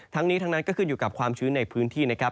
ทั้งนี้ทั้งนั้นก็ขึ้นอยู่กับความชื้นในพื้นที่นะครับ